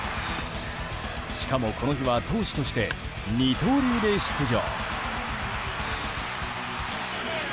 しかも、この日は投手として二刀流で出場。